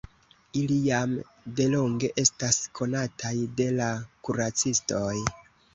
Ili jam delonge estas konataj de la kuracistoj.